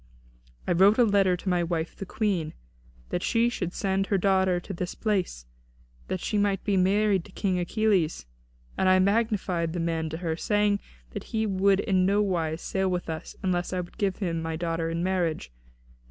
I wrote a letter to my wife the Queen, that she should send her daughter to this place, that she might be married to King Achilles; and I magnified the man to her, saying that he would in no wise sail with us unless I would give him my daughter in marriage.